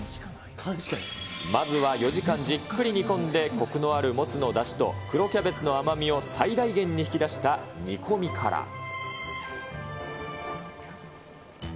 まずは４時間じっくり煮込んで、こくのあるモツのだしと黒キャベツの甘みを最大限に引き出した煮込みから。